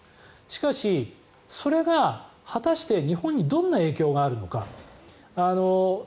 しかし、それが果たして日本にどんな影響があるのか。